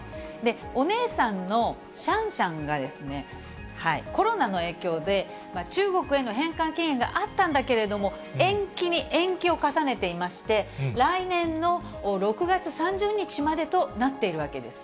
お姉さんのシャンシャンが、コロナの影響で、中国への返還期限があったんだけれども、延期に延期を重ねていまして、来年の６月３０日までとなっているわけです。